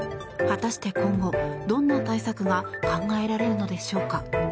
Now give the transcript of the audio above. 果たして今度、どんな対策が考えられるのでしょうか。